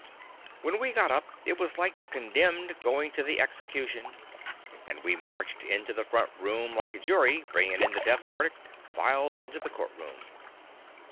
When we got up it was like the con demned goin' to the execution, and we marched into the front room like a jury, bringin' in the death verdict, files into the court room.